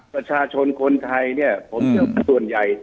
ประชาชนคนไทยผมคือคนส่วนใหญ่